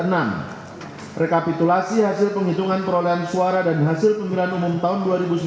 rekapitulasi hasil penghitungan perolehan suara dan hasil pemilihan umum tahun dua ribu sembilan belas